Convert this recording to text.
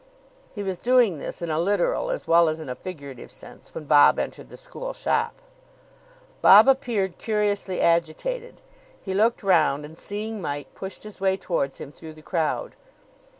He was doing this in a literal as well as in a figurative sense when Bob entered the school shop. Bob appeared curiously agitated. He looked round, and, seeing Mike, pushed his way towards him through the crowd.